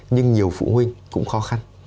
nhưng nhiều phụ huynh cũng khó khăn